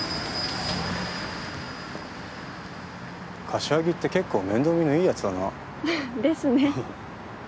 柏木って結構面倒見のいい奴だな。ですね。